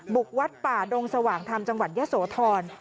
บุกวัดป่าดงสว่างธรรมจังหวัดยะโสธร